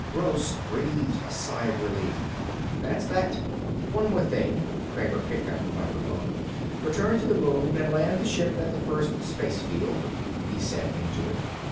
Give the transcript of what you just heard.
Gross breathed a sigh of relief. "That's that." "One more thing." Kramer picked up the microphone. "Return to the moon and land the ship at the first space field," he said into it.